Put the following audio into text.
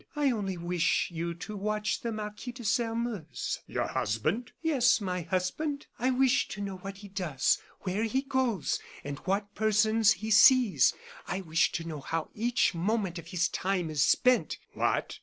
"I only wish you to watch the Marquis de Sairmeuse." "Your husband?" "Yes; my husband. I wish to know what he does, where he goes, and what persons he sees. I wish to know how each moment of his time is spent." "What!